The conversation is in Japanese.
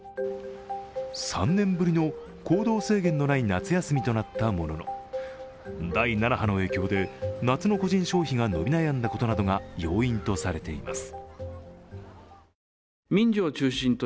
３年ぶりの行動制限のない夏休みとなったものの、第７波の影響で夏の個人消費が伸び悩んだことなどが要因とされています。